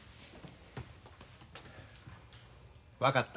分かった。